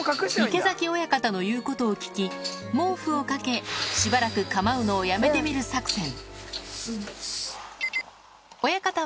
池崎親方の言うことを聞き、毛布をかけ、しばらく構うのをやめてみる作戦。